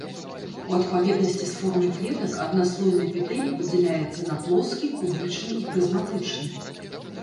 У адпаведнасці з формай клетак аднаслойны эпітэлій падзяляецца на плоскі, кубічны і прызматычны.